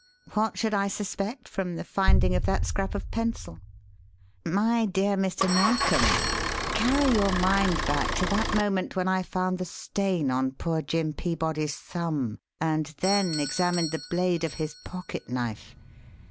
What should I suspect from the finding of that scrap of pencil? My dear Mr. Narkom, carry your mind back to that moment when I found the stain on poor Jim Peabody's thumb, and then examined the blade of his pocket knife.